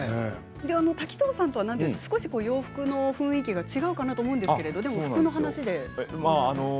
滝藤さんとは洋服の雰囲気が違うかなと思うんですが服の話で。